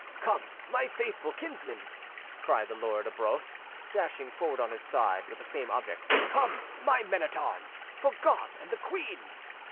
"Come, my faithful kinsmen!" cried Lord Arbroath, dashing forward on his side with the same object; "come, my men at arms! For God and the queen!"